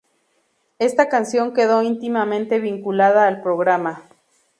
Esta canción quedó íntimamente vinculada al programa.